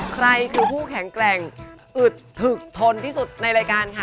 ใครคือผู้แข็งแกร่งอึดถึกทนที่สุดในรายการค่ะ